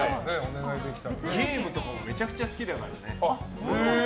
ゲームとかもめちゃくちゃ好きだからね。